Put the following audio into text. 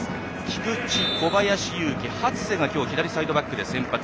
菊池、小林友希、初瀬が今日は左サイドバックで先発。